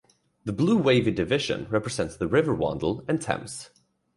The blue wavy division represents the Rivers Wandle and Thames.